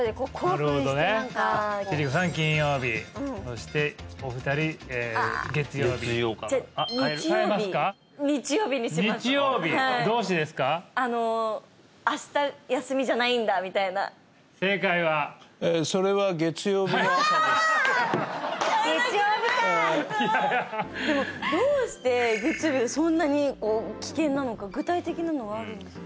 変えなければよかったでもどうして月曜日がそんなに危険なのか具体的なのはあるんですか？